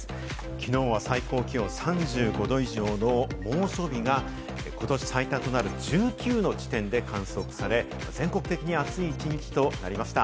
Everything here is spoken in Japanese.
きのうは最高気温が３５度以上の猛暑日がことし最多となる１９地点で観測され、全国的に暑い一日となりました。